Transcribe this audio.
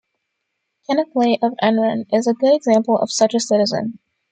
Kenneth Lay of Enron is a good example of such a citizen.